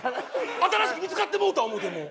新しく見つかってもうた思うてもう。